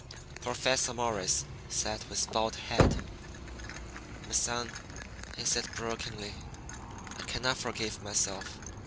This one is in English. Professor Morris sat with bowed head. "My son," he said brokenly, "I can not forgive myself.